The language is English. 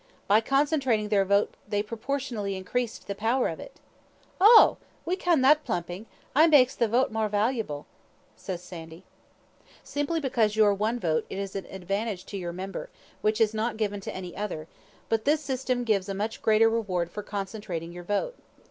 By concentrating their vote they proportionally increased the power of it." "Oh! we ken that plumping aye makes the vote mair valuable," says Sandy. "Simply because your one vote is an advantage to your member, which is not given to any other; but this system gives a much greater reward for concentrating your vote.